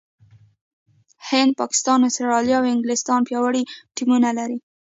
هند، پاکستان، استراليا او انګلستان پياوړي ټيمونه لري.